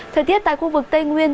thời tiết tại khu vực tây nguyên